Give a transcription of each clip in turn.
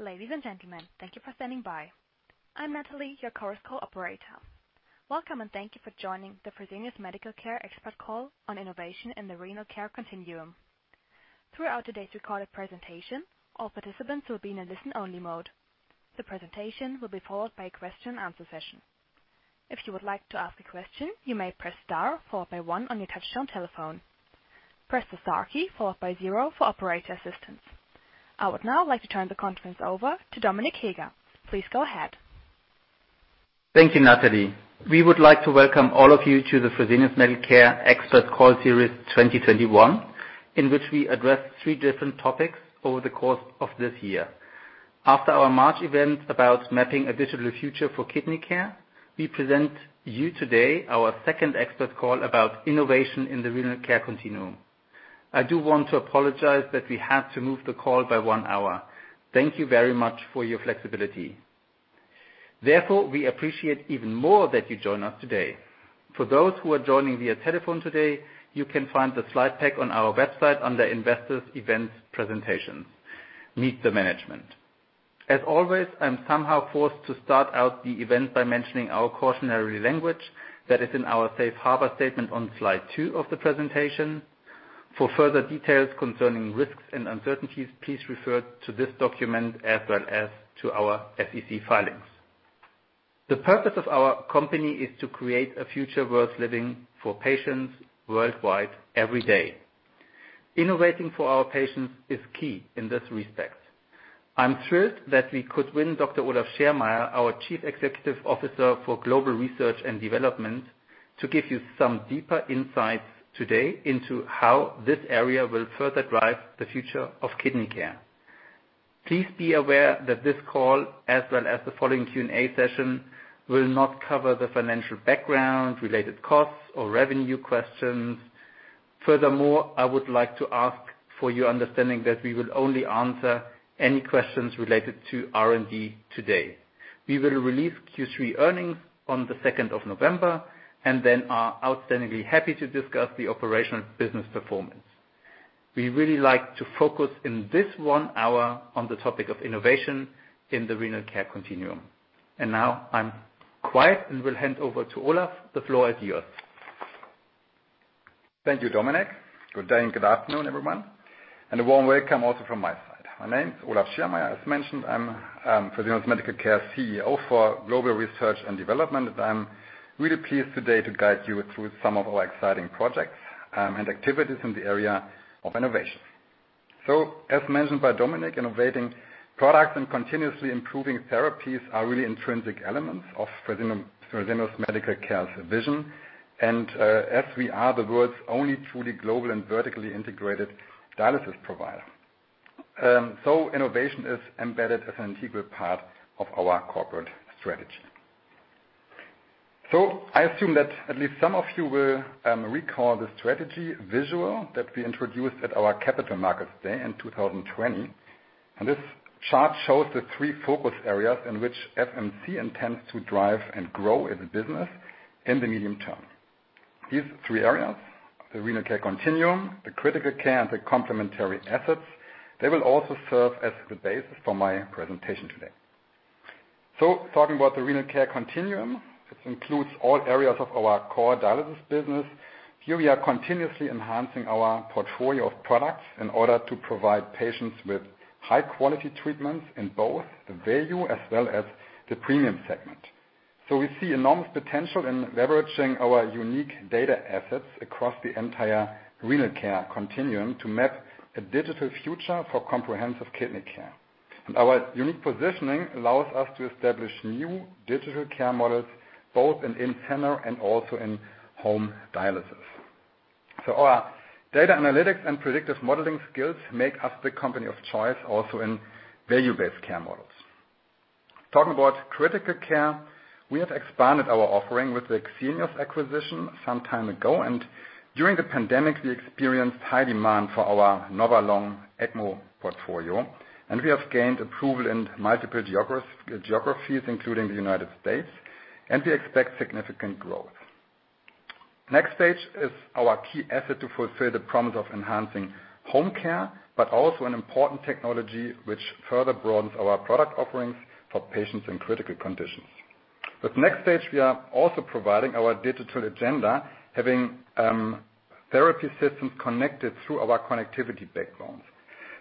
Ladies and gentlemen, thank you for standing by. I'm Natalie, your conference call operator. Welcome, and thank you for joining the Fresenius Medical Care Expert Call on Innovation in the Renal Care Continuum. Through our today recording presentation all participants will be in an only listen mode. The presentation will be followed by question-answer session. If you would like to ask a question you may press star followed by one on your touchtone telephone, press the star key followed by zero for operator assistance. I would now like to turn the conference over to Dominik Heger. Please go ahead. Thank you, Natalie. We would like to welcome all of you to the Fresenius Medical Care Expert Call Series 2021, in which we address three different topics over the course of this year. After our March event about mapping a digital future for kidney care, we present you today our second expert call about innovation in the renal care continuum. I do want to apologize that we had to move the call by one hour. Thank you very much for your flexibility. We appreciate even more that you join us today. For those who are joining via telephone today, you can find the slide pack on our website under Investors Events Presentation, Meet the Management. As always, I am somehow forced to start out the event by mentioning our cautionary language that is in our safe harbor statement on slide two of the presentation. For further details concerning risks and uncertainties, please refer to this document as well as to our SEC filings. The purpose of our company is to create a future worth living for patients worldwide every day. Innovating for our patients is key in this respect. I'm thrilled that we could win Dr. Olaf Schermeier, our Chief Executive Officer for Global Research and Development, to give you some deeper insights today into how this area will further drive the future of kidney care. Please be aware that this call, as well as the following Q&A session, will not cover the financial background, related costs, or revenue questions. I would like to ask for your understanding that we will only answer any questions related to R&D today. We will release Q3 earnings on the 2nd of November, and then are outstandingly happy to discuss the operational business performance. We'd really like to focus in this one hour on the topic of innovation in the renal care continuum. Now I'm quiet and will hand over to Olaf. The floor is yours. Thank you, Dominik. Good day and good afternoon, everyone, and a warm welcome also from my side. My name is Olaf Schermeier. As mentioned, I am Fresenius Medical Care CEO for Global Research and Development. I am really pleased today to guide you through some of our exciting projects and activities in the area of innovation. As mentioned by Dominik, innovating products and continuously improving therapies are really intrinsic elements of Fresenius Medical Care's vision, and as we are the world's only truly global and vertically integrated dialysis provider. Innovation is embedded as an integral part of our corporate strategy. I assume that at least some of you will recall the strategy visual that we introduced at our Capital Markets Day in 2020. This chart shows the three focus areas in which FMC intends to drive and grow its business in the medium term. These three areas, the renal care continuum, the critical care, and the complementary assets, they will also serve as the basis for my presentation today. Talking about the renal care continuum, this includes all areas of our core dialysis business. Here we are continuously enhancing our portfolio of products in order to provide patients with high-quality treatments in both the value as well as the premium segment. We see enormous potential in leveraging our unique data assets across the entire renal care continuum to map a digital future for comprehensive kidney care. Our unique positioning allows us to establish new digital care models both in in-center and also in home dialysis. Our data analytics and predictive modeling skills make us the company of choice also in value-based care models. Talking about critical care, we have expanded our offering with the Xenios acquisition some time ago. During the pandemic, we experienced high demand for our Novalung ECMO portfolio. We have gained approval in multiple geographies, including the U.S. We expect significant growth. NxStage is our key asset to fulfill the promise of enhancing home care. Also an important technology which further broadens our product offerings for patients in critical conditions. With NxStage, we are also providing our digital agenda, having therapy systems connected through our connectivity backbone.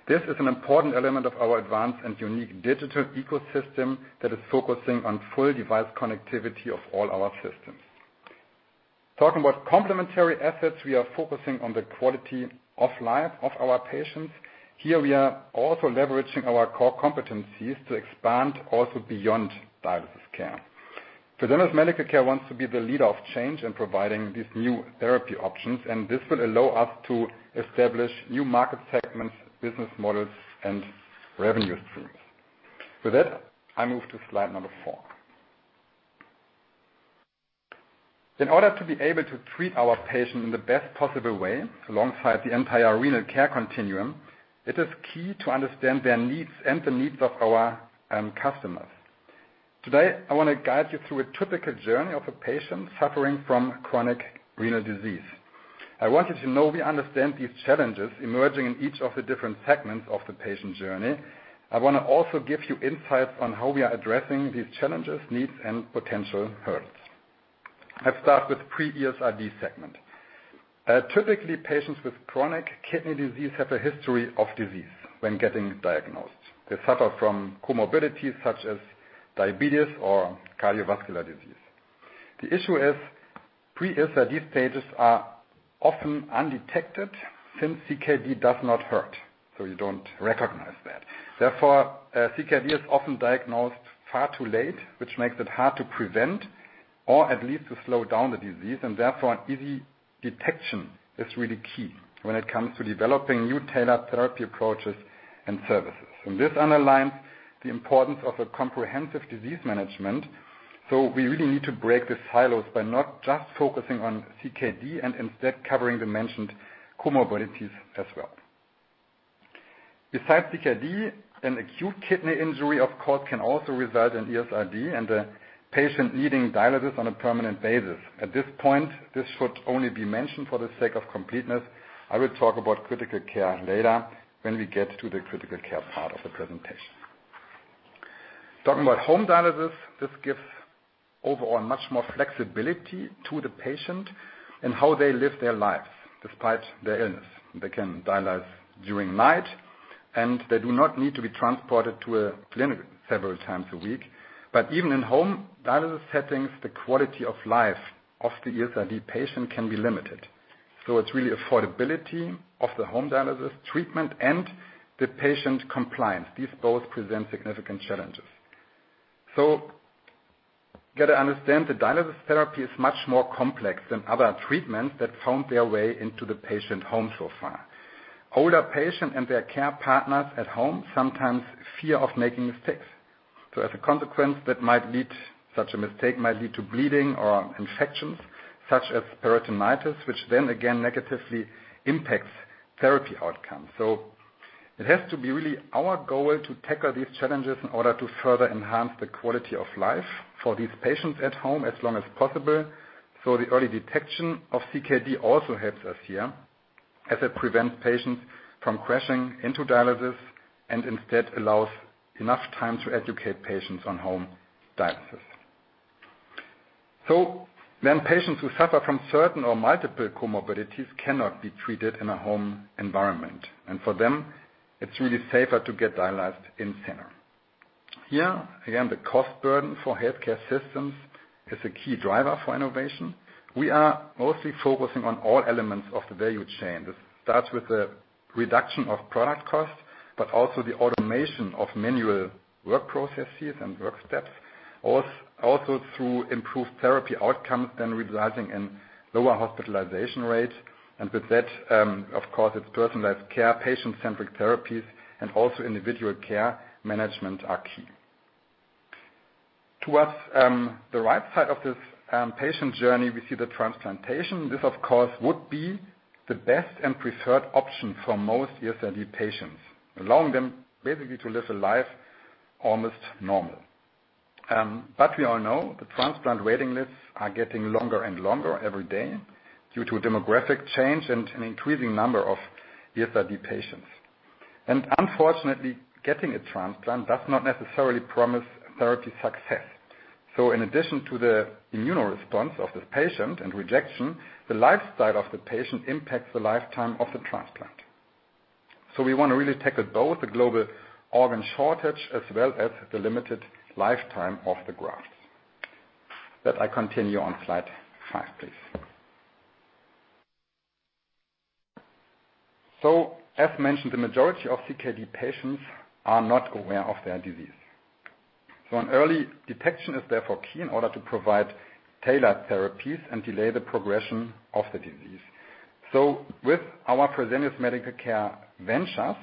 This is an important element of our advanced and unique digital ecosystem that is focusing on full device connectivity of all our systems. Talking about complementary assets, we are focusing on the quality of life of our patients. Here we are also leveraging our core competencies to expand also beyond dialysis care. Fresenius Medical Care wants to be the leader of change in providing these new therapy options, and this will allow us to establish new market segments, business models, and revenue streams. With that, I move to slide number four. In order to be able to treat our patient in the best possible way alongside the entire renal care continuum, it is key to understand their needs and the needs of our customers. Today, I want to guide you through a typical journey of a patient suffering from chronic renal disease. I want you to know we understand these challenges emerging in each of the different segments of the patient journey. I want to also give you insights on how we are addressing these challenges, needs, and potential hurdles. I'll start with pre-ESRD segment. Typically, patients with chronic kidney disease have a history of disease when getting diagnosed. They suffer from comorbidities such as diabetes or cardiovascular disease. The issue is, pre-ESRD stages are often undetected since CKD does not hurt, so you don't recognize that. CKD is often diagnosed far too late, which makes it hard to prevent or at least to slow down the disease. An easy detection is really key when it comes to developing new tailored therapy approaches and services. This underlines the importance of a comprehensive disease management. We really need to break the silos by not just focusing on CKD and instead covering the mentioned comorbidities as well. Besides CKD, an acute kidney injury, of course, can also result in ESRD and a patient needing dialysis on a permanent basis. At this point, this should only be mentioned for the sake of completeness. I will talk about critical care later when we get to the critical care part of the presentation. Talking about home dialysis, this gives overall much more flexibility to the patient in how they live their lives despite their illness. They can dialyze during night, they do not need to be transported to a clinic several times a week. Even in-home dialysis settings, the quality of life of the ESRD patient can be limited. It's really affordability of the home dialysis treatment and the patient compliance. These both present significant challenges. You got to understand the dialysis therapy is much more complex than other treatments that found their way into the patient home so far. Older patient and their care partners at home sometimes fear of making mistakes. As a consequence, such a mistake might lead to bleeding or infections such as peritonitis, which then again negatively impacts therapy outcomes. It has to be really our goal to tackle these challenges in order to further enhance the quality of life for these patients at home as long as possible. The early detection of CKD also helps us here as it prevents patients from crashing into dialysis and instead allows enough time to educate patients on home dialysis. Patients who suffer from certain or multiple comorbidities cannot be treated in a home environment. For them, it's really safer to get dialyzed in center. Here, again, the cost burden for healthcare systems is a key driver for innovation. We are mostly focusing on all elements of the value chain. This starts with the reduction of product costs, but also the automation of manual work processes and work steps, also through improved therapy outcomes, then resulting in lower hospitalization rates. With that, of course, it's personalized care, patient-centric therapies, and also individual care management are key. Towards the right side of this patient journey, we see the transplantation. This, of course, would be the best and preferred option for most ESRD patients, allowing them basically to live a life almost normal. We all know the transplant waiting lists are getting longer and longer every day due to demographic change and an increasing number of ESRD patients. Unfortunately, getting a transplant does not necessarily promise therapy success. In addition to the immunoresponse of the patient and rejection, the lifestyle of the patient impacts the lifetime of the transplant. We want to really tackle both the global organ shortage as well as the limited lifetime of the grafts. That I continue on slide five, please. As mentioned, the majority of CKD patients are not aware of their disease. An early detection is therefore key in order to provide tailored therapies and delay the progression of the disease. With our Fresenius Medical Care Ventures,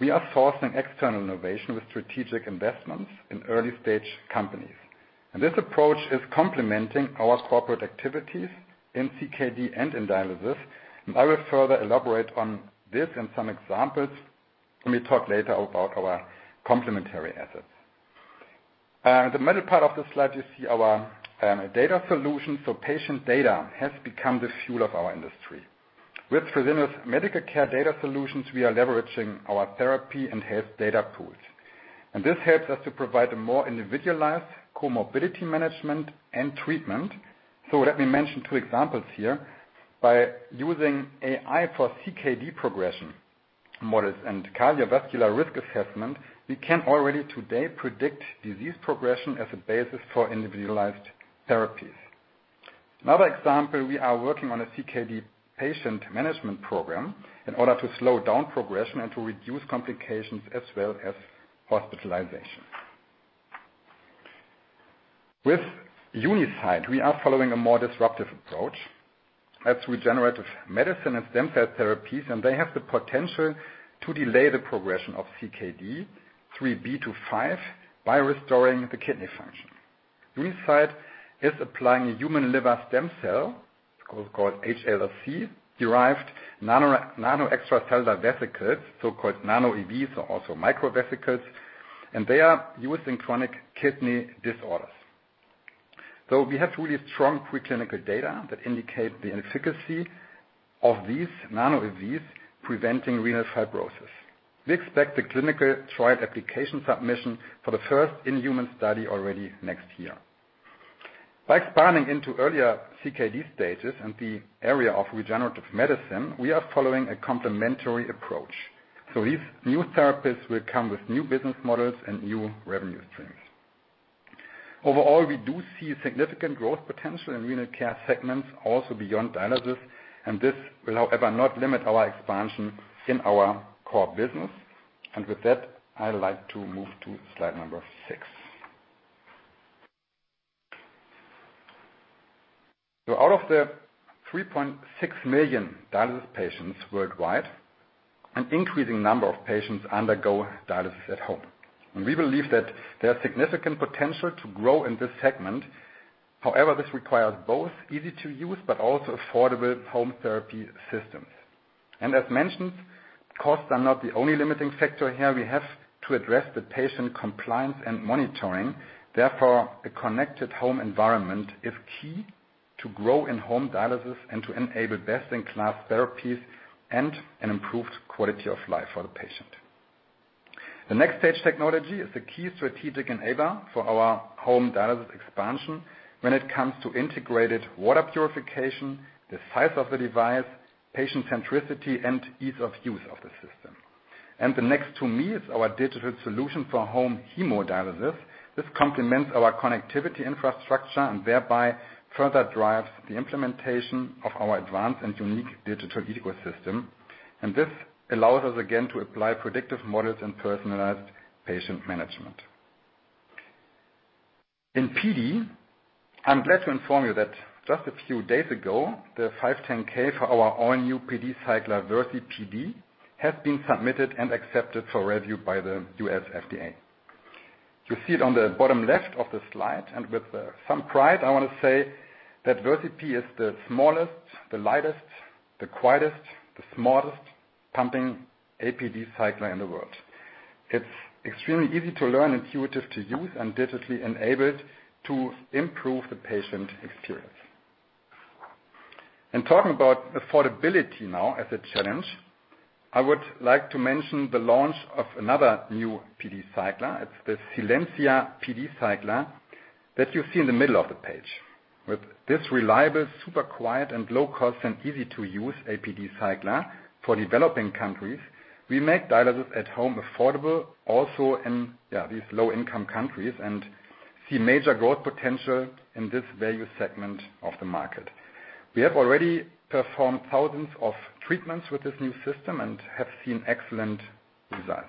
we are sourcing external innovation with strategic investments in early-stage companies. This approach is complementing our corporate activities in CKD and in dialysis. I will further elaborate on this and some examples when we talk later about our complementary assets. In the middle part of the slide, you see our data solutions. Patient data has become the fuel of our industry. With Fresenius Medical Care Data Solutions, we are leveraging our therapy and health data pools. This helps us to provide a more individualized comorbidity management and treatment. Let me mention two examples here. By using AI for CKD progression models and cardiovascular risk assessment, we can already today predict disease progression as a basis for individualized therapies. Another example, we are working on a CKD patient management program in order to slow down progression and to reduce complications as well as hospitalizations. With Unicyte, we are following a more disruptive approach. That's regenerative medicine and stem cell therapies, and they have the potential to delay the progression of CKD 3B to five by restoring the kidney function. Unicyte is applying a human liver stem cell. So-called HLSC-derived nano extracellular vesicles, so-called nanoEVs, are also microvesicles, and they are used in chronic kidney disorders. We have really strong preclinical data that indicate the efficacy of these nanoEVs preventing renal fibrosis. We expect the clinical trial application submission for the first in-human study already next year. By expanding into earlier CKD stages and the area of regenerative medicine, we are following a complementary approach. These new therapies will come with new business models and new revenue streams. Overall, we do see significant growth potential in renal care segments also beyond dialysis. This will, however, not limit our expansion in our core business. With that, I'd like to move to slide six. Out of the 3.6 million dialysis patients worldwide, an increasing number of patients undergo dialysis at home. We believe that there are significant potential to grow in this segment. However, this requires both easy-to-use but also affordable home therapy systems. As mentioned, costs are not the only limiting factor here. We have to address the patient compliance and monitoring. Therefore, a connected home environment is key to grow in-home dialysis and to enable best-in-class therapies and an improved quality of life for the patient. The NxStage technology is the key strategic enabler for our home dialysis expansion when it comes to integrated water purification, the size of the device, patient centricity, and ease of use of the system. The Nx2me is our digital solution for home hemodialysis. This complements our connectivity infrastructure and thereby further drives the implementation of our advanced and unique digital ecosystem. This allows us again to apply predictive models and personalized patient management. In PD, I'm glad to inform you that just a few days ago, the 510K for our all-new PD cycler VersiPD has been submitted and accepted for review by the U.S. FDA. You see it on the bottom left of the slide, and with some pride, I want to say that VersiPD is the smallest, the lightest, the quietest, the smartest pumping APD cycler in the world. It's extremely easy to learn, intuitive to use, and digitally enabled to improve the patient experience. Talking about affordability now as a challenge, I would like to mention the launch of another new PD cycler. It's the SILENCIA PD cycler that you see in the middle of the page. With this reliable, super quiet and low cost, and easy-to-use APD cycler for developing countries, we make dialysis at home affordable also in these low-income countries and see major growth potential in this value segment of the market. We have already performed thousands of treatments with this new system and have seen excellent results.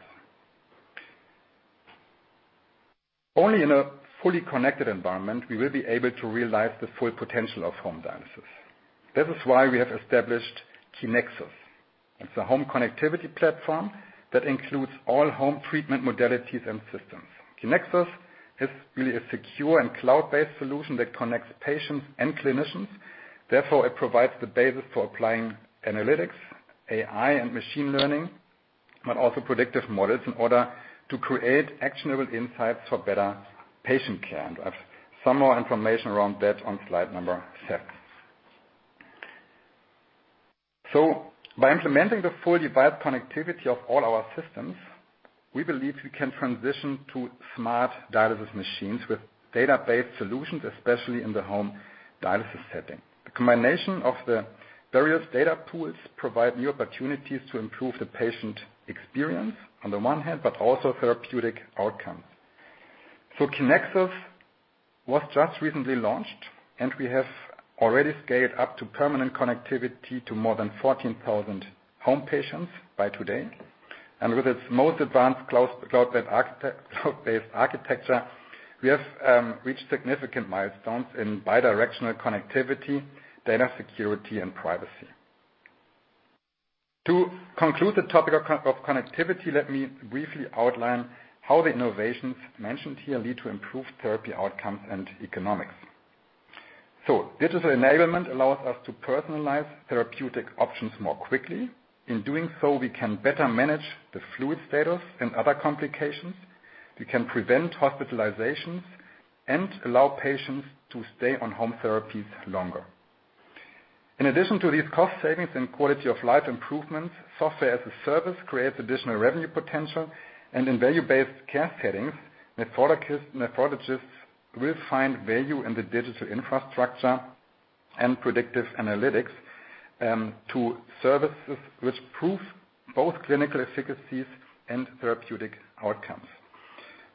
Only in a fully connected environment we will be able to realize the full potential of home dialysis. This is why we have established Kinexus. It's a home connectivity platform that includes all home treatment modalities and systems. Kinexus is really a secure and cloud-based solution that connects patients and clinicians. Therefore, it provides the basis for applying analytics, AI and machine learning, but also predictive models in order to create actionable insights for better patient care. I have some more information around that on slide number six. By implementing the full device connectivity of all our systems, we believe we can transition to smart dialysis machines with data-based solutions, especially in the home dialysis setting. The combination of the various data pools provide new opportunities to improve the patient experience on the one hand, but also therapeutic outcomes. Kinexus was just recently launched, and we have already scaled up to permanent connectivity to more than 14,000 home patients by today. With its most advanced cloud-based architecture, we have reached significant milestones in bidirectional connectivity, data security and privacy. To conclude the topic of connectivity, let me briefly outline how the innovations mentioned here lead to improved therapy outcomes and economics. Digital enablement allows us to personalize therapeutic options more quickly. In doing so, we can better manage the fluid status and other complications. We can prevent hospitalizations and allow patients to stay on home therapies longer. In addition to these cost savings and quality-of-life improvements, software as a service creates additional revenue potential, and in value-based care settings, nephrologists will find value in the digital infrastructure and predictive analytics, to services which prove both clinical efficacies and therapeutic outcomes.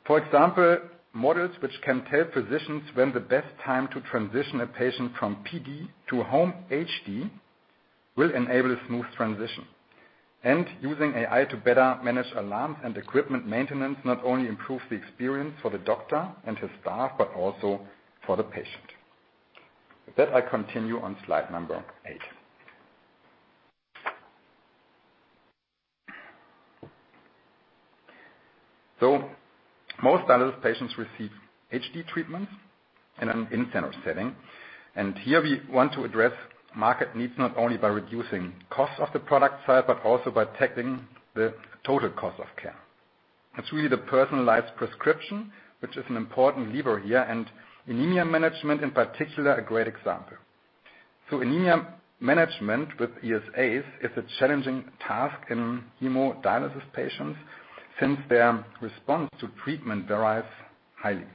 For example, models which can tell physicians when the best time to transition a patient from PD to home HD will enable a smooth transition. Using AI to better manage alarms and equipment maintenance not only improves the experience for the doctor and his staff, but also for the patient. With that, I continue on slide number eight. Most dialysis patients receive HD treatments in an in-center setting. Here we want to address market needs, not only by reducing cost of the product side, but also by tackling the total cost of care. It's really the personalized prescription, which is an important lever here, and anemia management in particular a great example. Anemia management with ESAs is a challenging task in hemodialysis patients since their response to treatment varies highly.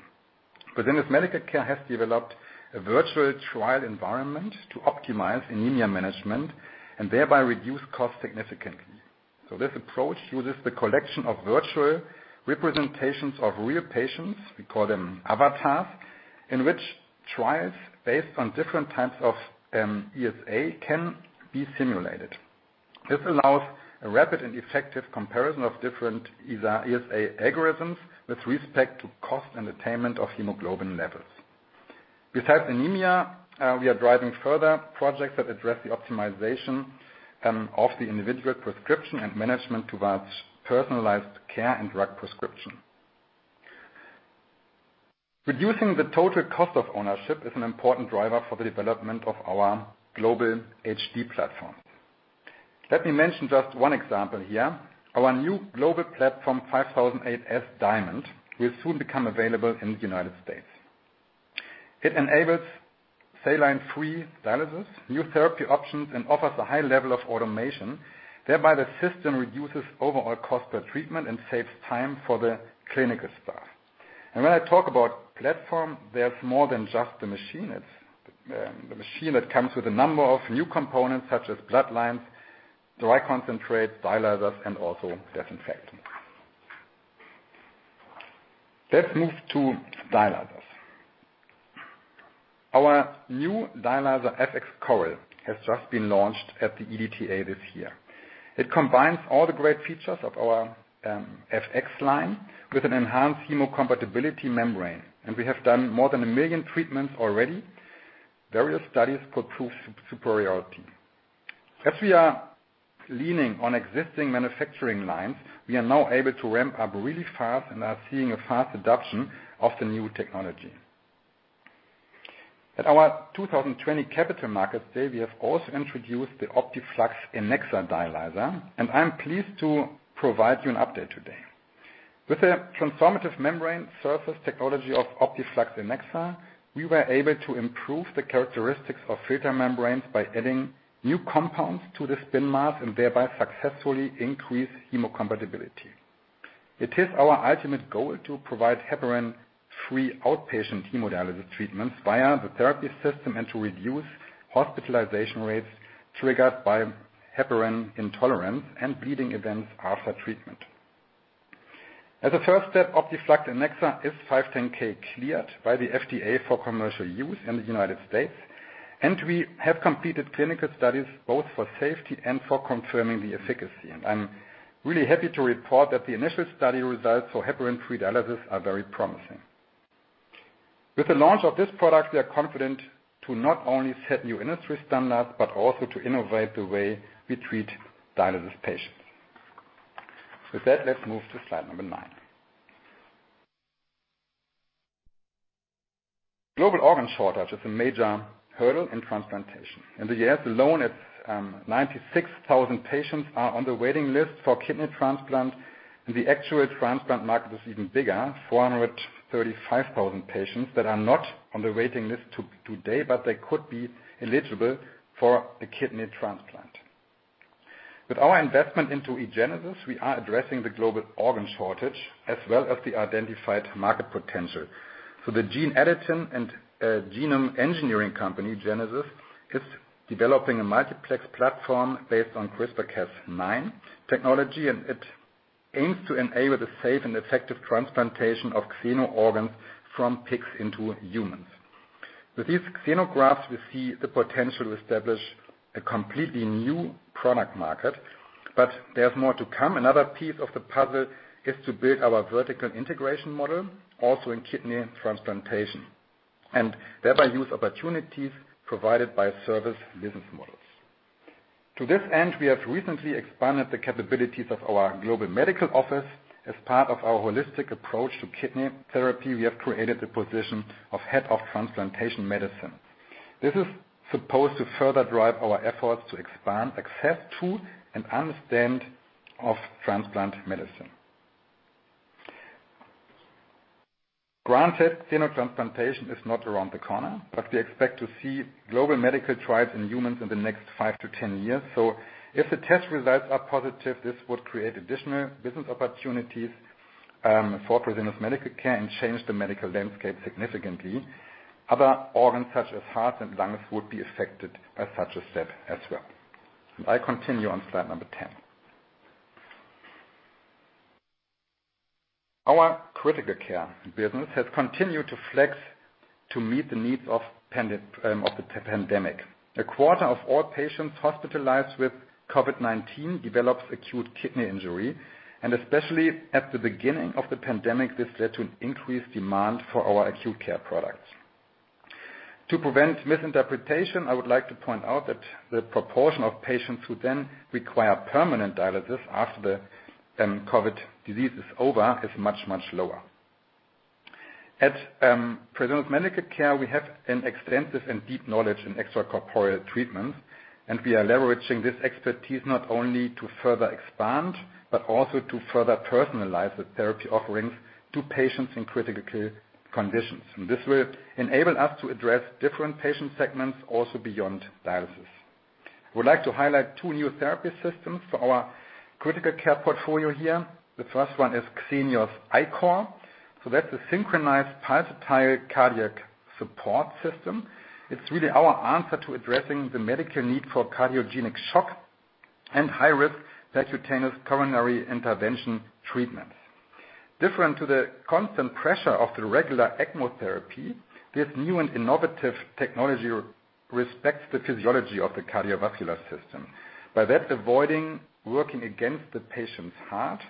Fresenius Medical Care has developed a virtual trial environment to optimize anemia management and thereby reduce costs significantly. This approach uses the collection of virtual representations of real patients, we call them avatars, in which trials based on different types of ESA can be simulated. This allows a rapid and effective comparison of different ESA algorithms with respect to cost and attainment of hemoglobin levels. Besides anemia, we are driving further projects that address the optimization of the individual prescription and management towards personalized care and drug prescription. Reducing the total cost of ownership is an important driver for the development of our global HD platform. Let me mention just one example here. Our new global platform, 5008S CorDiax, will soon become available in the United States. It enables saline-free dialysis, new therapy options, and offers a high level of automation. Thereby, the system reduces overall cost per treatment and saves time for the clinical staff. When I talk about platform, there's more than just the machine. It's the machine that comes with a number of new components such as bloodlines, dry concentrate, dialyzers, and also disinfectant. Let's move to dialyzers. Our new dialyzer FX CorAL has just been launched at the EDTA this year. It combines all the great features of our FX dialyzers with an enhanced hemocompatibility membrane, and we have done more than 1 million treatments already. Various studies could prove superiority. As we are leaning on existing manufacturing lines, we are now able to ramp up really fast and are seeing a fast adoption of the new technology. At our 2020 Capital Markets Day, we have also introduced the OptiFlux Enexa dialyzer, and I'm pleased to provide you an update today. With a transformative membrane surface technology of OptiFlux Enexa, we were able to improve the characteristics of filter membranes by adding new compounds to the spin mass and thereby successfully increase hemocompatibility. It is our ultimate goal to provide heparin-free outpatient hemodialysis treatments via the therapy system and to reduce hospitalization rates triggered by heparin intolerance and bleeding events after treatment. As a first step, OptiFlux Enexa is 510K cleared by the FDA for commercial use in the U.S., and we have completed clinical studies both for safety and for confirming the efficacy. I'm really happy to report that the initial study results for heparin-free dialysis are very promising. With the launch of this product, we are confident to not only set new industry standards, but also to innovate the way we treat dialysis patients. With that, let's move to slide number nine. Global organ shortage is a major hurdle in transplantation. In the U.S. alone, 96,000 patients are on the waiting list for kidney transplant, and the actual transplant market is even bigger, 435,000 patients that are not on the waiting list today, but they could be eligible for a kidney transplant. With our investment into eGenesis, we are addressing the global organ shortage as well as the identified market potential. The gene editing and genome engineering company, eGenesis, is developing a multiplex platform based on CRISPR-Cas9 technology, and it aims to enable the safe and effective transplantation of xeno organs from pigs into humans. With these xenografts, we see the potential to establish a completely new product market, but there's more to come. Another piece of the puzzle is to build our vertical integration model also in kidney transplantation, and thereby use opportunities provided by service business models. To this end, we have recently expanded the capabilities of our global medical office. As part of our holistic approach to kidney therapy, we have created the position of head of transplantation medicine. This is supposed to further drive our efforts to expand access to and understand of transplant medicine. Granted, xenotransplantation is not around the corner, but we expect to see global medical trials in humans in the next 7-10 years. If the test results are positive, this would create additional business opportunities for Fresenius Medical Care and change the medical landscape significantly. Other organs such as heart and lungs would be affected by such a step as well. I continue on slide number 10. Our critical care business has continued to flex to meet the needs of the pandemic. A quarter of all patients hospitalized with COVID-19 develops acute kidney injury. Especially at the beginning of the pandemic, this led to an increased demand for our acute care products. To prevent misinterpretation, I would like to point out that the proportion of patients who then require permanent dialysis after the COVID disease is over is much, much lower. At Fresenius Medical Care, we have an extensive and deep knowledge in extracorporeal treatments. We are leveraging this expertise not only to further expand, but also to further personalize the therapy offerings to patients in critical conditions. This will enable us to address different patient segments also beyond dialysis. I would like to highlight two new therapy systems for our critical care portfolio here. The first one is Xenios i-cor. That's a synchronized pulsatile cardiac support system. It's really our answer to addressing the medical need for cardiogenic shock and high risk percutaneous coronary intervention treatments. Different to the constant pressure of the regular ECMO therapy, this new and innovative technology respects the physiology of the cardiovascular system. By that, avoiding working against the patient's heart.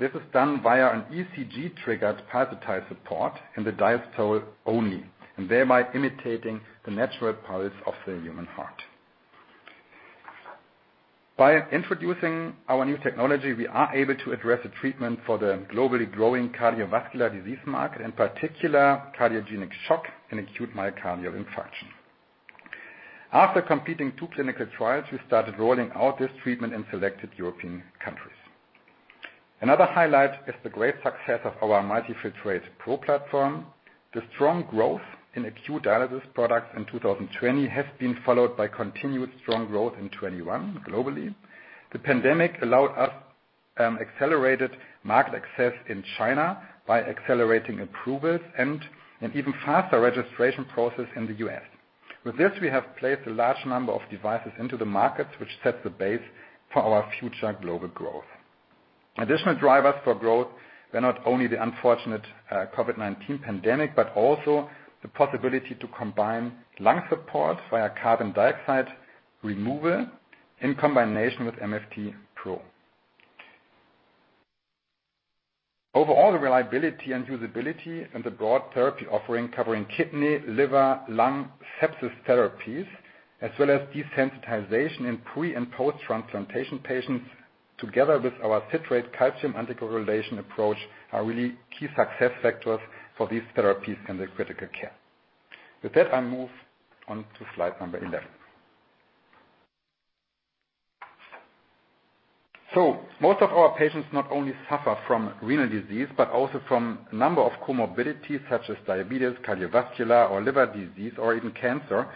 This is done via an ECG-triggered pulsatile support in the diastole only, and thereby imitating the natural pulse of the human heart. By introducing our new technology, we are able to address a treatment for the globally growing cardiovascular disease market, in particular cardiogenic shock and acute myocardial infarction. After completing two clinical trials, we started rolling out this treatment in selected European countries. Another highlight is the great success of our multiFiltrate PRO platform. The strong growth in acute dialysis products in 2020 has been followed by continued strong growth in 2021 globally. The pandemic allowed us accelerated market access in China by accelerating approvals and an even faster registration process in the U.S. With this, we have placed a large number of devices into the markets, which sets the base for our future global growth. Additional drivers for growth were not only the unfortunate COVID-19 pandemic, but also the possibility to combine lung support via carbon dioxide removal in combination with multiFiltrate PRO. Overall, the reliability and usability and the broad therapy offering covering kidney, liver, lung, sepsis therapies, as well as desensitization in pre and post-transplantation patients, together with our citrate calcium anticoagulation approach, are really key success factors for these therapies in the critical care. With that, I move on to slide number 11. Most of our patients not only suffer from renal disease, but also from a number of comorbidities such as diabetes, cardiovascular or liver disease, or even cancer.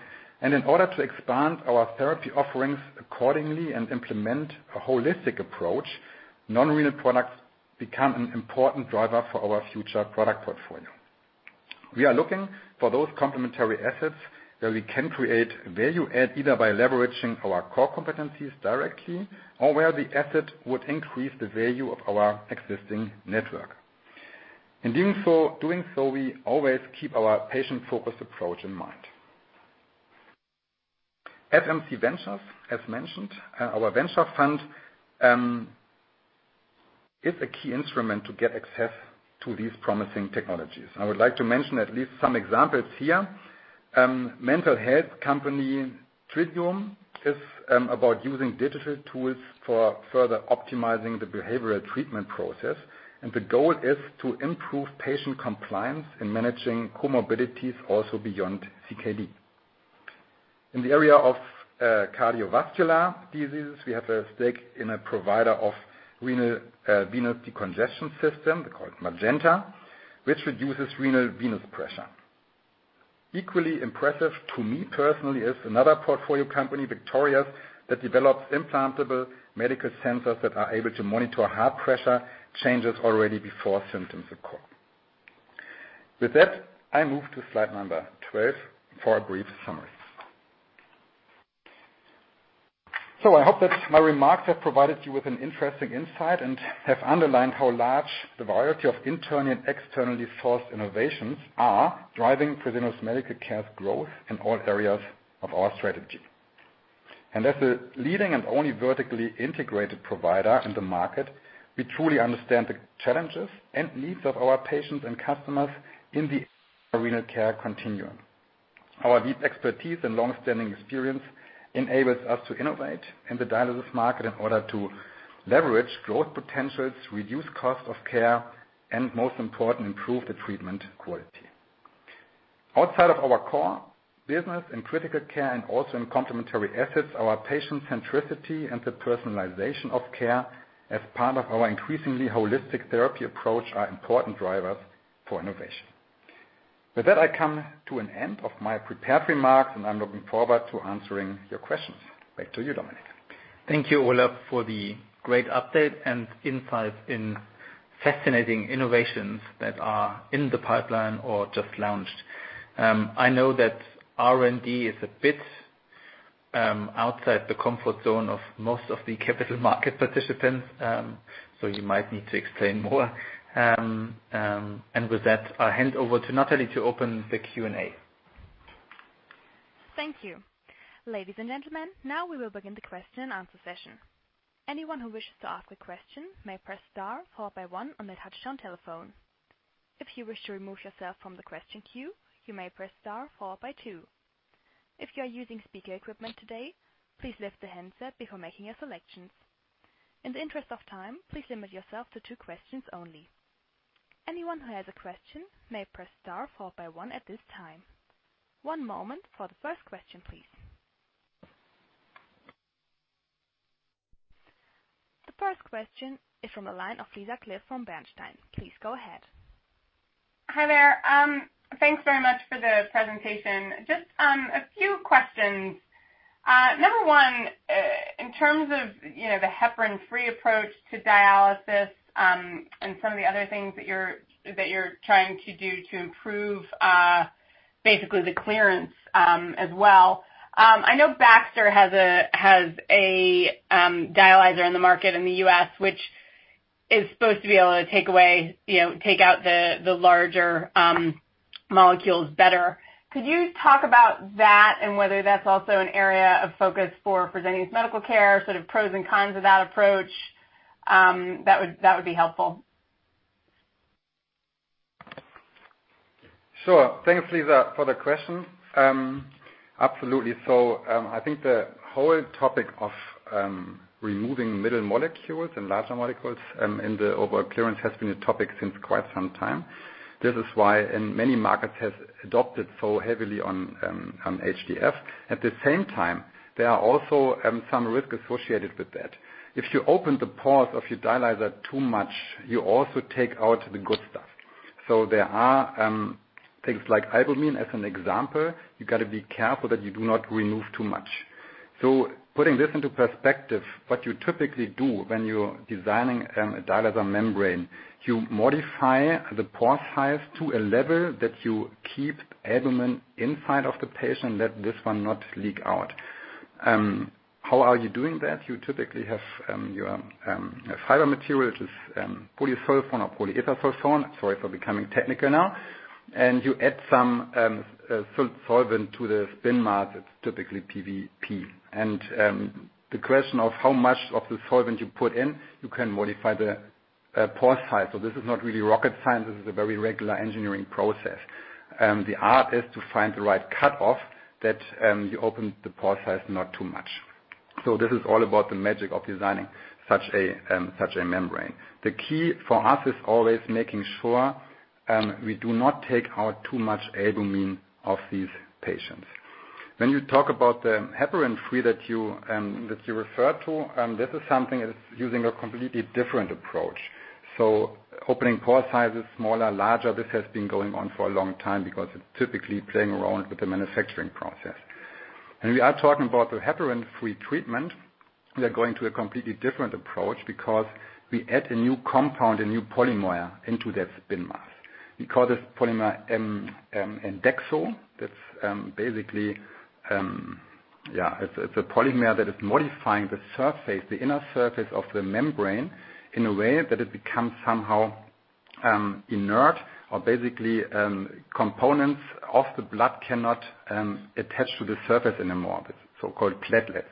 In order to expand our therapy offerings accordingly and implement a holistic approach, non-renal products become an important driver for our future product portfolio. We are looking for those complementary assets where we can create value add, either by leveraging our core competencies directly or where the asset would increase the value of our existing network. In doing so, we always keep our patient-focused approach in mind. FMC Ventures, as mentioned, our venture fund, is a key instrument to get access to these promising technologies. I would like to mention at least some examples here. Mental health company, Tridiuum, is about using digital tools for further optimizing the behavioral treatment process, the goal is to improve patient compliance in managing comorbidities also beyond CKD. In the area of cardiovascular diseases, we have a stake in a provider of renal venous decongestion system called Magenta, which reduces renal venous pressure. Equally impressive to me personally is another portfolio company, Vectorious, that develops implantable medical sensors that are able to monitor heart pressure changes already before symptoms occur. With that, I move to slide number 12 for a brief summary. I hope that my remarks have provided you with an interesting insight and have underlined how large the variety of internal and externally sourced innovations are driving Fresenius Medical Care's growth in all areas of our strategy. As a leading and only vertically integrated provider in the market, we truly understand the challenges and needs of our patients and customers in the renal care continuum. Our deep expertise and long-standing experience enables us to innovate in the dialysis market in order to leverage growth potentials, reduce cost of care, and most important, improve the treatment quality. Outside of our core business in critical care and also in complementary assets, our patient centricity and the personalization of care as part of our increasingly holistic therapy approach are important drivers for innovation. With that, I come to an end of my prepared remarks, and I'm looking forward to answering your questions. Back to you, Dominik. Thank you, Olaf, for the great update and insights in fascinating innovations that are in the pipeline or just launched. I know that R&D is a bit outside the comfort zone of most of the capital market participants, so you might need to explain more. With that, I hand over to Natalie to open the Q&A. Thank you. Ladies and gentlemen, now we will begin the question and answer session. Anyone who wishes to ask a question may press star followed by one on their touchtone telephone. If you wish to remove yourself from the question queue, you may press star followed by two. If you're using speaker equipment today please lift the handset before making a selection. In the interest of time please limit yourself to two questions only. Anyone who has a question may press star followed by one at this time. One moment for the first question, please. The first question is from the line of Lisa Clive from Bernstein. Please go ahead. Hi there. Thanks very much for the presentation. Just a few questions. Number one, in terms of the heparin-free approach to dialysis and some of the other things that you're trying to do to improve basically the clearance as well. I know Baxter has a dialyzer in the market in the U.S., which is supposed to be able to take out the larger molecules better. Could you talk about that and whether that's also an area of focus for Fresenius Medical Care, sort of pros and cons of that approach? That would be helpful. Sure. Thanks, Lisa, for the question. Absolutely. I think the whole topic of removing middle molecules and larger molecules in the overall clearance has been a topic since quite some time. This is why many markets have adopted so heavily on HDF. At the same time, there are also some risk associated with that. If you open the pores of your dialyzer too much, you also take out the good stuff. There are things like albumin as an example. You got to be careful that you do not remove too much. Putting this into perspective, what you typically do when you're designing a dialyzer membrane, you modify the pore size to a level that you keep albumin inside of the patient, let this one not leak out. How are you doing that? You typically have your fiber material, which is polysulfone or polyethersulfone. Sorry for becoming technical now. You add some solvent to the spin mass. It's typically PVP. The question of how much of the solvent you put in, you can modify the pore size. This is not really rocket science. This is a very regular engineering process. The art is to find the right cutoff that you open the pore size not too much. This is all about the magic of designing such a membrane. The key for us is always making sure we do not take out too much albumin of these patients. When you talk about the heparin-free that you refer to, this is something that is using a completely different approach. Opening pore sizes smaller, larger, this has been going on for a long time because it's typically playing around with the manufacturing process. When we are talking about the heparin-free treatment, we are going to a completely different approach because we add a new compound, a new polymer into that spin mass. We call this polymer Endexo. It's a polymer that is modifying the inner surface of the membrane in a way that it becomes somehow inert or basically components of the blood cannot attach to the surface anymore, the so-called platelets.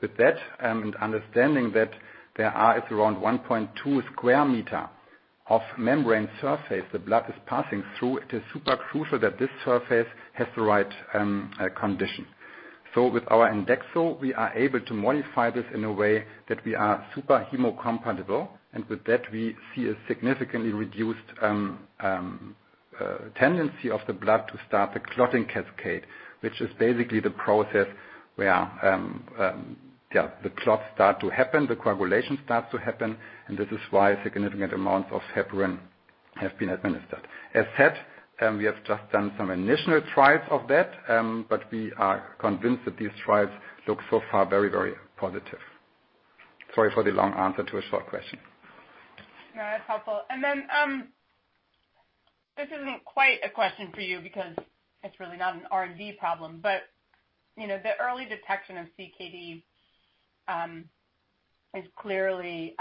With that and understanding that there are around 1.2 square meter of membrane surface the blood is passing through, it is super crucial that this surface has the right condition. With our Endexo, we are able to modify this in a way that we are super hemocompatible, and with that, we see a significantly reduced tendency of the blood to start the clotting cascade, which is basically the process where the clots start to happen, the coagulation starts to happen. This is why a significant amount of heparin have been administered. As said, we have just done some initial trials of that. We are convinced that these trials look so far very positive. Sorry for the long answer to a short question. No, it's helpful. This isn't quite a question for you because it's really not an R&D problem, but the early detection of CKD is clearly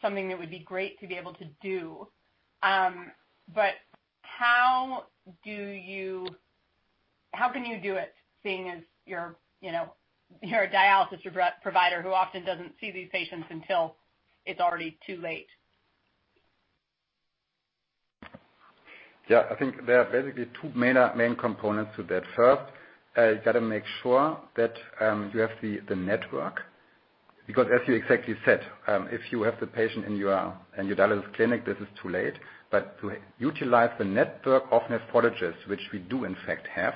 something that would be great to be able to do. How can you do it seeing as you're a dialysis provider who often doesn't see these patients until it's already too late? I think there are basically two main components to that. First, you got to make sure that you have the network, because as you exactly said, if you have the patient in your dialysis clinic, this is too late. To utilize the network of nephrologists, which we do in fact have,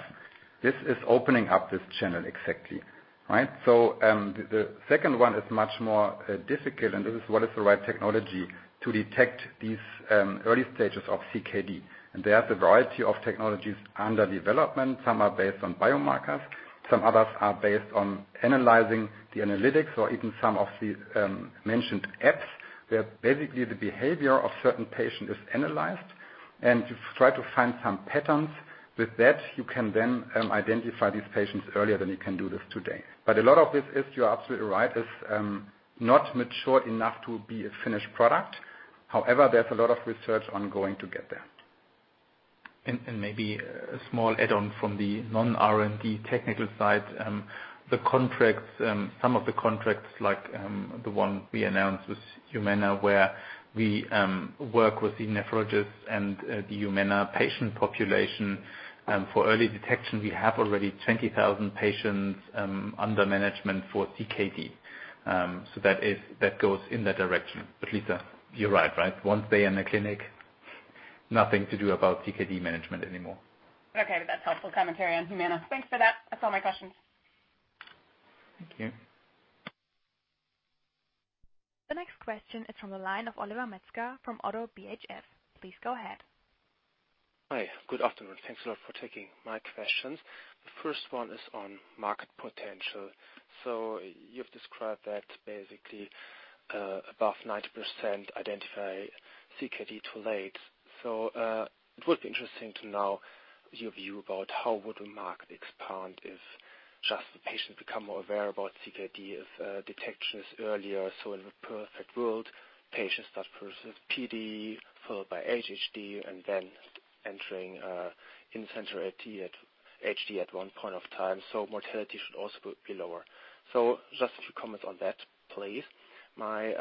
this is opening up this channel exactly, right? The second one is much more difficult, and this is what is the right technology to detect these early stages of CKD. There are a variety of technologies under development. Some are based on biomarkers, some others are based on analyzing the analytics or even some of the mentioned apps, where basically the behavior of certain patient is analyzed and you try to find some patterns. With that, you can then identify these patients earlier than you can do this today. A lot of this is, you're absolutely right, is not mature enough to be a finished product. However, there's a lot of research ongoing to get there. Maybe a small add-on from the non-R&D technical side. Some of the contracts like the one we announced with Humana, where we work with the nephrologist and the Humana patient population for early detection. We have already 20,000 patients under management for CKD. That goes in that direction. Lisa, you're right. Once they are in a clinic, nothing to do about CKD management anymore. Okay. That's helpful commentary on Humana. Thanks for that. That's all my questions. Thank you. The next question is from the line of Oliver Metzger from Oddo BHF. Please go ahead. Hi. Good afternoon. Thanks a lot for taking my questions. The first one is on market potential. You've described that basically above 90% identify CKD too late. It would be interesting to know your view about how would the market expand if just the patients become more aware about CKD if detection is earlier. In a perfect world, patients start first with PD, followed by HD, and then entering in-center HD at one point of time. Mortality should also be lower. Just a few comments on that, please. My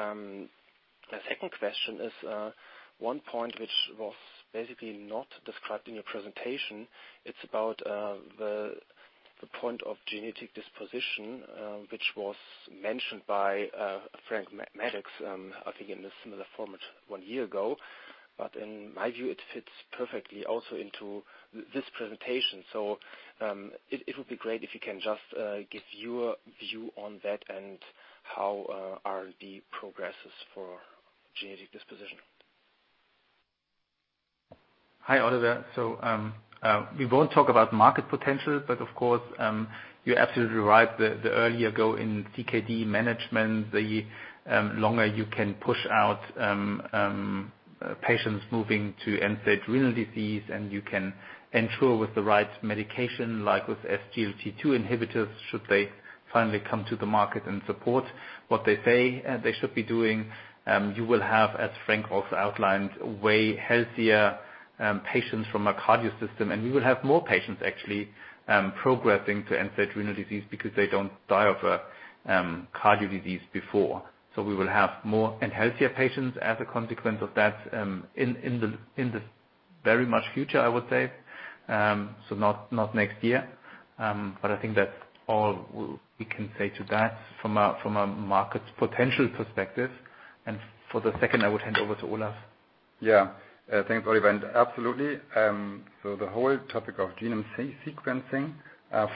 second question is one point which was basically not described in your presentation. It's about the point of genetic disposition, which was mentioned by Frank Maddux, I think in a similar format one year ago. In my view, it fits perfectly also into this presentation. It would be great if you can just give your view on that and how R&D progresses for genetic disposition. Hi, Oliver. We won't talk about market potential, but of course, you're absolutely right. The earlier you go in CKD management, the longer you can push out patients moving to end-stage renal disease, and you can ensure with the right medication, like with SGLT2 inhibitors, should they finally come to the market and support what they say they should be doing. You will have, as Frank also outlined, way healthier patients from a cardio system and we will have more patients actually progressing to end-stage renal disease because they don't die of a cardio disease before. We will have more and healthier patients as a consequence of that in the very much future, I would say. Not next year, but I think that's all we can say to that from a market potential perspective. For the second, I would hand over to Olaf. Thanks, Oliver. Absolutely. The whole topic of genome sequencing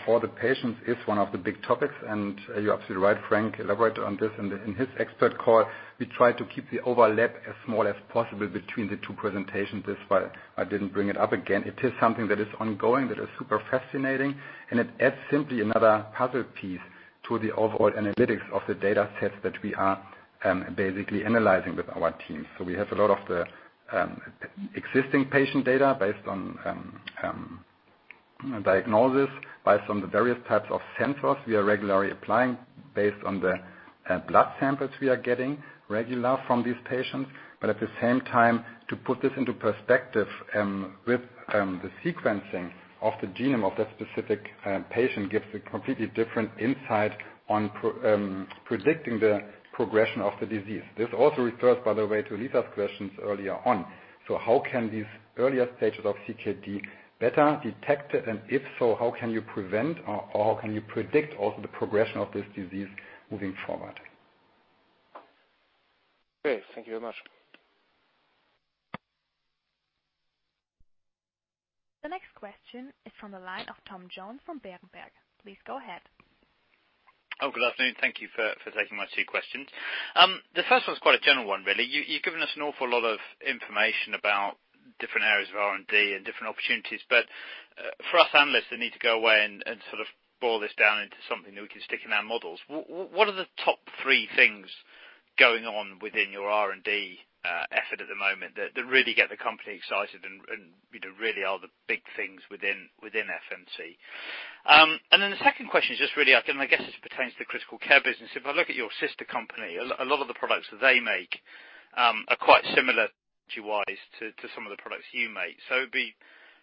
for the patients is one of the big topics and you're absolutely right, Frank elaborated on this in his expert call. We try to keep the overlap as small as possible between the two presentations. That's why I didn't bring it up again. It is something that is ongoing that is super fascinating, and it adds simply another puzzle piece to the overall analytics of the data sets that we are basically analyzing with our teams. We have a lot of the existing patient data based on diagnosis, based on the various types of sensors we are regularly applying based on the blood samples we are getting regular from these patients. At the same time, to put this into perspective with the sequencing of the genome of that specific patient gives a completely different insight on predicting the progression of the disease. This also refers, by the way, to Lisa's questions earlier on. How can these earlier stages of CKD better detected, and if so, how can you prevent or how can you predict also the progression of this disease moving forward? Great. Thank you very much. The next question is from the line of Tom Jones from Berenberg. Please go ahead. Good afternoon. Thank you for taking my two questions. The first one's quite a general one, really. You've given us an awful lot of information about different areas of R&D and different opportunities, but for us analysts that need to go away and sort of boil this down into something that we can stick in our models, what are the top three things going on within your R&D effort at the moment that really get the company excited and really are the big things within FMC? The second question is just really, I guess this pertains to the critical care business. If I look at your sister company, a lot of the products that they make are quite similar technology-wise to some of the products you make. It'd be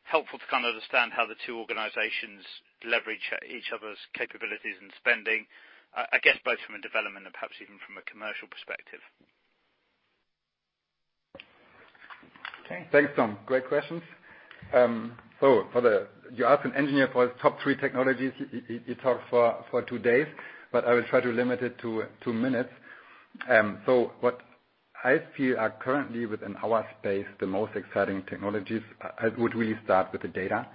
helpful to kind of understand how the two organizations leverage each other's capabilities and spending, I guess both from a development and perhaps even from a commercial perspective. Okay. Thanks, Tom. Great questions. You ask an engineer for his top three technologies, he talks for two days, but I will try to limit it to two minutes. What I feel are currently within our space, the most exciting technologies, I would really start with the data.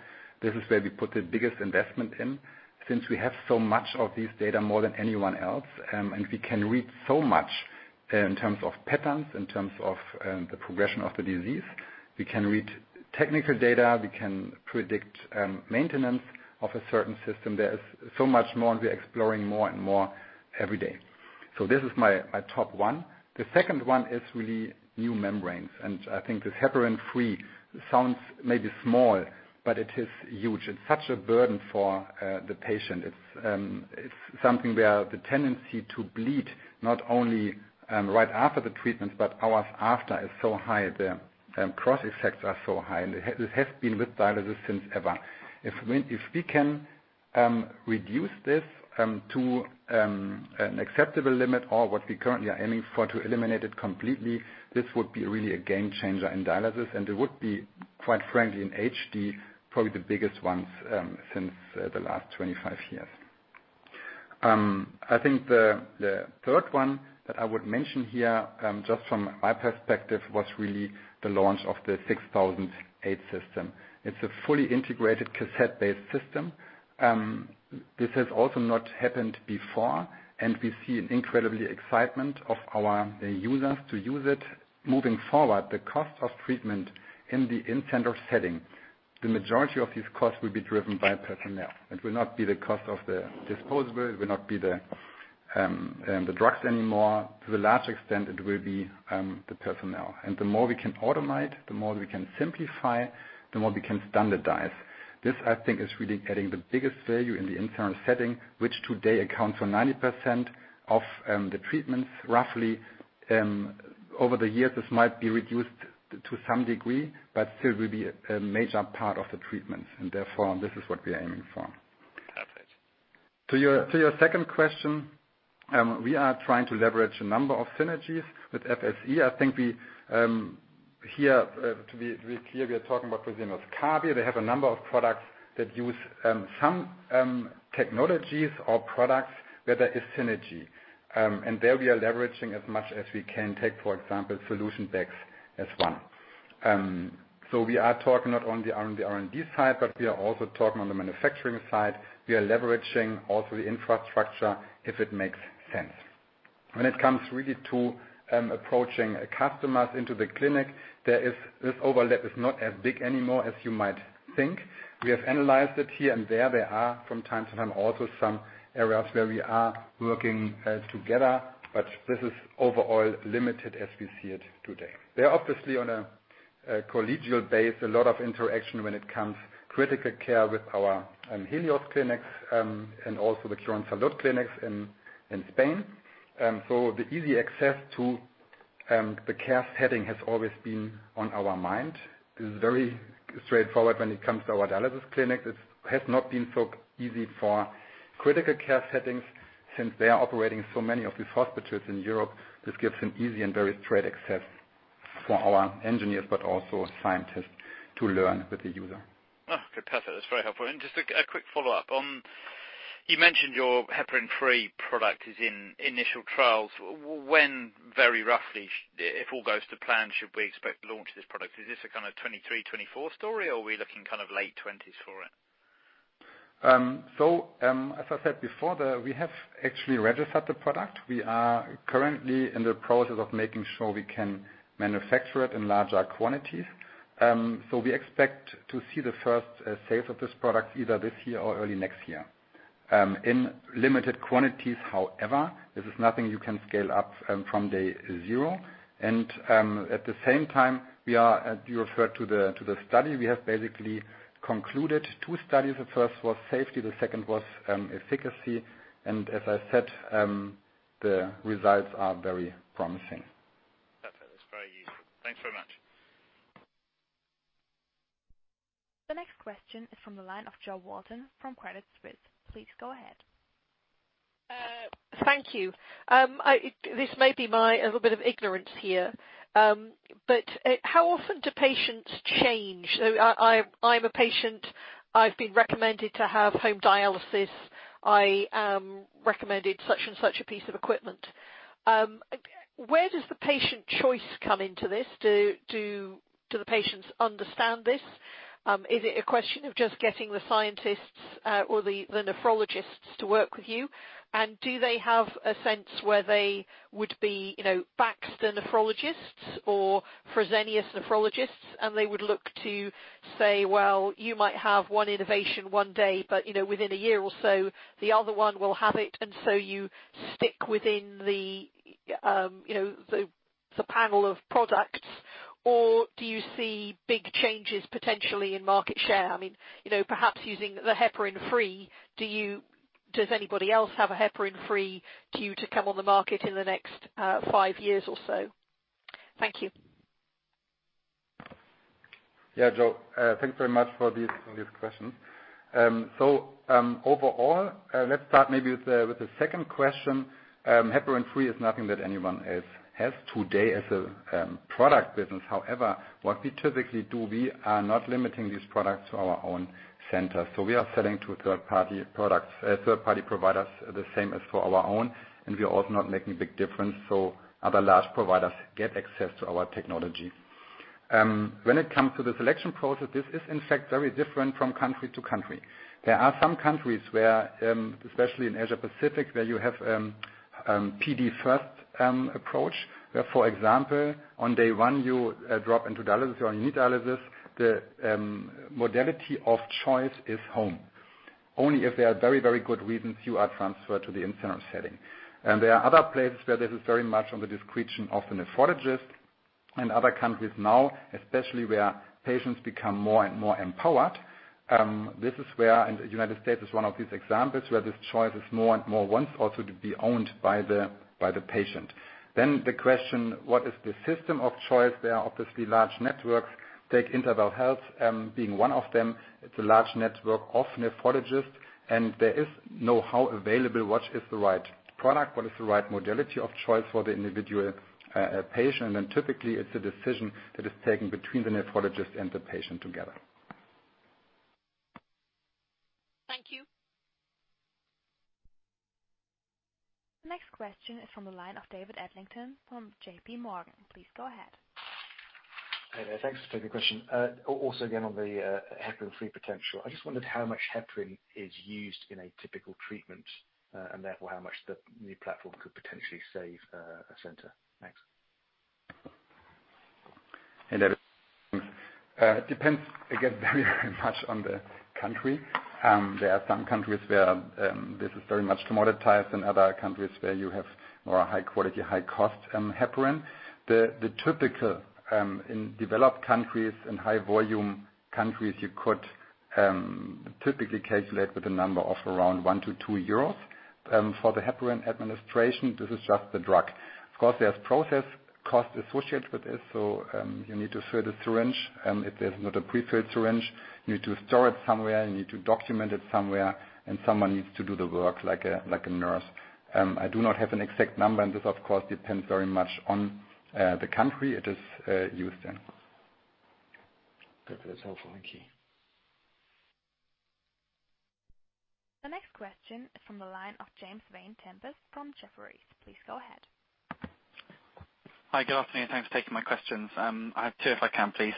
This is where we put the biggest investment in since we have so much of this data, more than anyone else. We can read so much in terms of patterns, in terms of the progression of the disease. We can read technical data, we can predict maintenance of a certain system. There is so much more, and we are exploring more and more every day. This is my top one. The second one is really new membranes, and I think this heparin-free sounds maybe small, but it is huge. It's such a burden for the patient. It's something where the tendency to bleed, not only right after the treatments, but hours after is so high. The cross effects are so high. It has been with dialysis since ever. If we can reduce this to an acceptable limit or what we currently are aiming for to eliminate it completely, this would be really a game changer in dialysis. It would be, quite frankly, in HD, probably the biggest ones since the last 25 years. I think the third one that I would mention here, just from my perspective, was really the launch of the 6008 System. It's a fully integrated cassette-based system. This has also not happened before. We see an incredibly excitement of our users to use it. Moving forward the cost of treatment in the in-center setting, the majority of these costs will be driven by personnel. It will not be the cost of the disposable, it will not be the drugs anymore. To the large extent, it will be the personnel. The more we can automate, the more we can simplify, the more we can standardize. This, I think, is really adding the biggest value in the in-center setting, which today accounts for 90% of the treatments, roughly. Over the years, this might be reduced to some degree, but still will be a major part of the treatments and therefore, this is what we're aiming for. Perfect. To your second question, we are trying to leverage a number of synergies with Fresenius Kabi. Here, to be really clear, we are talking about Fresenius Kabi. They have a number of products that use some technologies or products where there is synergy. There we are leveraging as much as we can take, for example, solution bags as one. We are talking not only on the R&D side, but we are also talking on the manufacturing side. We are leveraging also the infrastructure if it makes sense. When it comes really to approaching customers into the clinic, this overlap is not as big anymore as you might think. We have analyzed it here and there. There are from time to time also some areas where we are working together, this is overall limited as we see it today. There are obviously on a collegial basis, a lot of interaction when it comes to critical care with our Helios clinics, and also the Quirónsalud clinics in Spain. The easy access to the care setting has always been on our mind. This is very straightforward when it comes to our dialysis clinics. It has not been so easy for critical care settings since they are operating so many of these hospitals in Europe. This gives an easy and very straight access for our engineers, but also scientists to learn with the user. Oh, good. Perfect. That's very helpful. Just a quick follow-up. You mentioned your heparin-free product is in initial trials. When, very roughly, if all goes to plan, should we expect launch of this product? Is this a kind of 2023, 2024 story, or are we looking kind of late 2020s for it? As I said before, we have actually registered the product. We are currently in the process of making sure we can manufacture it in larger quantities. We expect to see the first sales of this product either this year or early next year. In limited quantities, however, this is nothing you can scale up from day zero. At the same time, you referred to the study. We have basically concluded two studies. The first was safety, the second was efficacy. As I said, the results are very promising. Perfect. That's very useful. Thanks very much. The next question is from the line of Jo Walton from Credit Suisse. Please go ahead. Thank you. This may be a little bit of ignorance here. How often do patients change? I'm a patient. I've been recommended to have home dialysis. I recommended such and such a piece of equipment. Where does the patient choice come into this? Do the patients understand this? Is it a question of just getting the scientists or the nephrologists to work with you? Do they have a sense where they would be Baxter nephrologists or Fresenius nephrologists, and they would look to say, well, you might have one innovation one day, but within a year or so the other one will have it, and so you stick within the panel of products. Do you see big changes potentially in market share? Perhaps using the heparin-free, does anybody else have a heparin-free SKU to come on the market in the next five years or so? Thank you. Yeah. Jo, thanks very much for these questions. Overall, let's start maybe with the second question. Heparin-free is nothing that anyone else has today as a product business. However, what we typically do, we are not limiting these products to our own centers. We are selling to third-party providers the same as for our own, and we are also not making a big difference, so other large providers get access to our technology. When it comes to the selection process, this is in fact, very different from country to country. There are some countries where, especially in Asia-Pacific, where you have PD first approach, where, for example, on day one, you drop into dialysis or you need dialysis, the modality of choice is home. Only if there are very, very good reasons you are transferred to the in-center setting. There are other places where this is very much on the discretion of the nephrologist. In other countries now, especially where patients become more and more empowered, this is where, and the United States is one of these examples, where this choice is more and more wanting also to be owned by the patient. The question, what is the system of choice? There are obviously large networks, take InterWell Health being one of them. It's a large network of nephrologists, and there is know-how available. What is the right product? What is the right modality of choice for the individual patient? Typically, it's a decision that is taken between the nephrologist and the patient together. Thank you. Next question is from the line of David Adlington from JPMorgan. Please go ahead. Hi there. Thanks. Thanks for taking the question. Also again on the heparin-free potential. I just wondered how much heparin is used in a typical treatment, and therefore how much the new platform could potentially save a center. Thanks. Hey David. It depends, again, very much on the country. There are some countries where this is very much commoditized than other countries where you have more high quality, high cost heparin. The typical in developed countries and high volume countries, you could typically calculate with a number of around 1-2 euros. For the heparin administration, this is just the drug. Of course, there's process cost associated with this, so you need to fill the syringe. If there's not a pre-filled syringe, you need to store it somewhere, you need to document it somewhere, and someone needs to do the work, like a nurse. I do not have an exact number, and this, of course, depends very much on the country it is used in. Good. That's helpful. Thank you. The next question is from the line of James Vane-Tempest from Jefferies. Please go ahead. Hi. Good afternoon. Thanks for taking my questions. I have two, if I can please.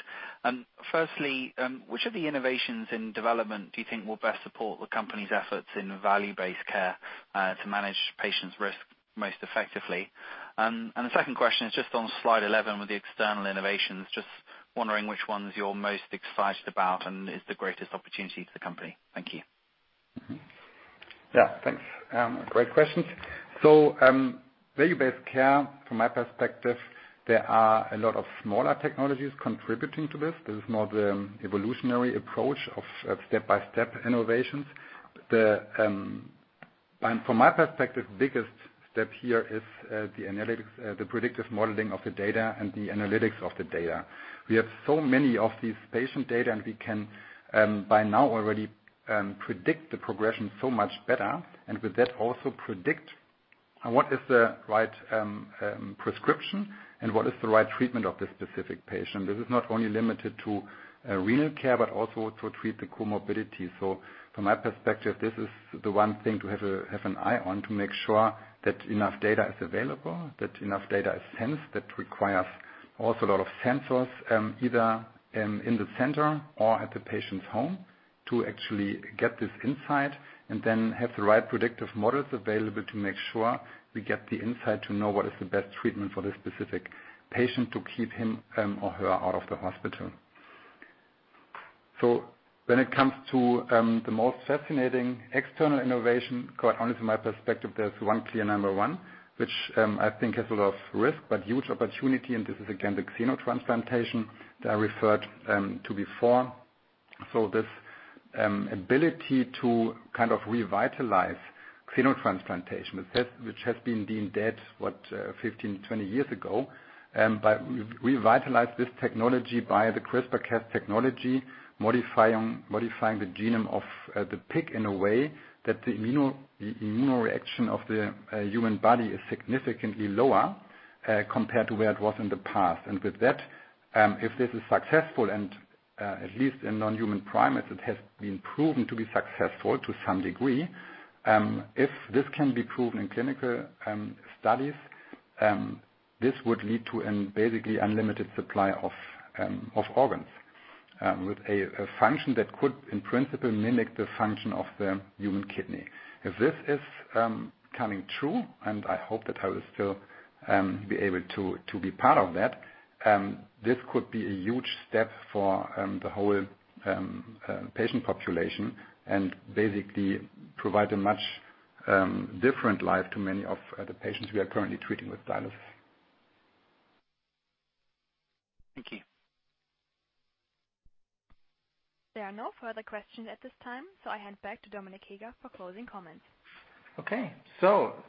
Firstly, which of the innovations in development do you think will best support the company's efforts in value-based care, to manage patients' risk most effectively? The second question is just on slide 11 with the external innovations. Just wondering which ones you're most excited about and is the greatest opportunity to the company. Thank you. Yeah, thanks. Great questions. Value-based care, from my perspective, there are a lot of smaller technologies contributing to this. This is more the evolutionary approach of step-by-step innovations. From my perspective, biggest step here is the analytics, the predictive modeling of the data, and the analytics of the data. We have so many of these patient data, we can by now already predict the progression so much better. With that, also predict what is the right prescription and what is the right treatment of the specific patient. This is not only limited to renal care, but also to treat the comorbidity. From my perspective, this is the one thing to have an eye on to make sure that enough data is available, that enough data is sensed. That requires also a lot of sensors, either in the center or at the patient's home to actually get this insight, and then have the right predictive models available to make sure we get the insight to know what is the best treatment for this specific patient to keep him or her out of the hospital. When it comes to the most fascinating external innovation, quite honestly from my perspective, there's one clear number one, which I think has a lot of risk but huge opportunity, and this is again, the xenotransplantation that I referred to before. This ability to kind of revitalize xenotransplantation, which has been deemed dead, what, 15, 20 years ago. Revitalize this technology by the CRISPR-Cas9 technology, modifying the genome of the pig in a way that the immune reaction of the human body is significantly lower, compared to where it was in the past. With that, if this is successful and, at least in non-human primates, it has been proven to be successful to some degree. If this can be proven in clinical studies, this would lead to a basically unlimited supply of organs, with a function that could, in principle, mimic the function of the human kidney. If this is coming true, and I hope that I will still be able to be part of that, this could be a huge step for the whole patient population and basically provide a much different life to many of the patients we are currently treating with dialysis. Thank you. There are no further questions at this time. I hand back to Dominik Heger for closing comments. Okay.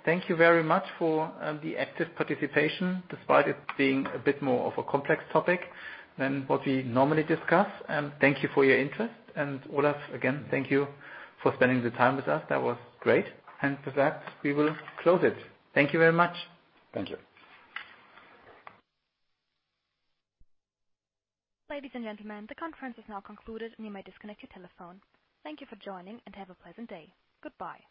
Thank you very much for the active participation, despite it being a bit more of a complex topic than what we normally discuss. Thank you for your interest. Olaf, again, thank you for spending the time with us. That was great. With that, we will close it. Thank you very much. Thank you. Ladies and gentlemen, the conference is now concluded. You may disconnect your telephone. Thank you for joining, and have a pleasant day. Goodbye.